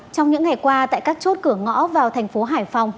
trong những ngày qua tại các chốt cửa ngõ vào tp hcm